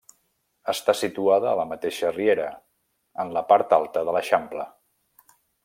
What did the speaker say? Està situada a la mateixa riera, en la part alta de l'eixample.